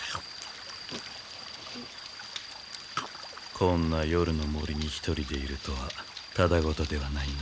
こんな夜の森に一人でいるとはただごとではないな。